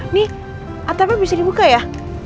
ini atm bisa dibuka ya